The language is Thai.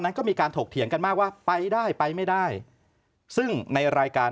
ก็มีการถกเถียงกันมากว่าไปได้ไปไม่ได้ซึ่งในรายการ